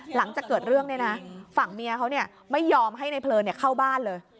หลังจากเกิดเรื่องเนี่ยนะฝั่งเมียเขาไม่ยอมให้ในเพลินเข้าบ้านเลย